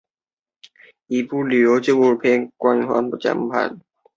奥埃尔斯巴赫是奥地利施蒂利亚州费尔德巴赫县的一个市镇。